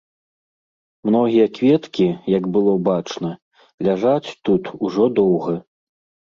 Многія кветкі, як было бачна, ляжаць тут ужо доўга.